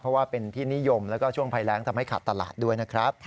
เพราะว่าเป็นที่นิยมแล้วก็ช่วงภัยแรงทำให้ขาดตลาดด้วยนะครับ